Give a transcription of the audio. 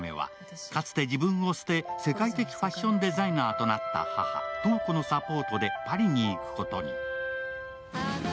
空豆は、かつて自分を捨て世界的ファッションデザイナーとなった母・塔子のサポートとでパリに行くことに。